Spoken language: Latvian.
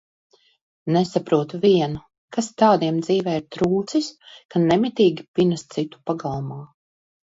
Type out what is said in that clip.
Nesaprotu vienu, kas tādiem dzīvē ir trūcis, ka nemitīgi pinas citu pagalmā?